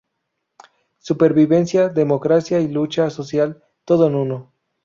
Supervivencia, democracia y lucha social: todo en uno.